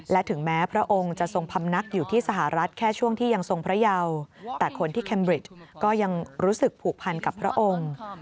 และถึงแม้พระองค์จะทรงพำนักอยู่ที่สหรัฐแค่ช่วงที่ยังทรงพระเยาแต่คนที่แคมบริตก็ยังรู้สึกผูกพันกับพระองค์